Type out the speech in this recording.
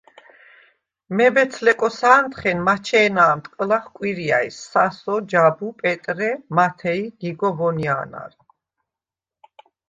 მებეც-ლეკოსა̄ნდხენ მაჩენა̄მდ ყჷლახ კვირიაჲს სასო, ჯაბუ, პეტრე, მათე ი გიგო ვონია̄ნარ.